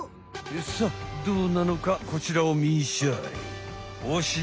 さあどうなのかこちらをみんしゃい。